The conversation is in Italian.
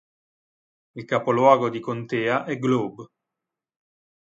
Il capoluogo di contea è Globe.